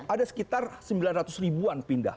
ada sekitar sembilan ratus ribuan pindah